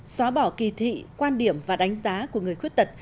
xóa bỏ kỳ thị quan điểm và đánh giá của người khuyết tật